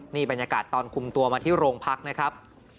นี่บรรยากาศตอนคุมตัวมาที่โรงพักนะครับ